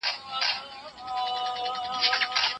ما په دغه موبایل کي خپل ارمانونه ثبت کړل.